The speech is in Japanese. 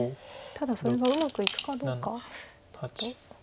ただそれがうまくいくかどうか。